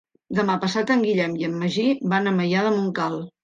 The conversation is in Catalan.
Demà passat en Guillem i en Magí van a Maià de Montcal.